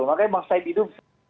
makanya bang saib itu